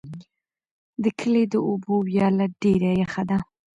د کلي د اوبو ویاله ډېره یخه ده.